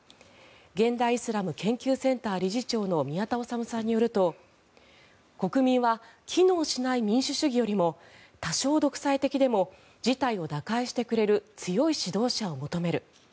現代イスラム研究センター理事長の宮田律さんによると国民は機能しない民主主義よりも多少、独裁的でも事態を打開してくれる強い指導者を求める。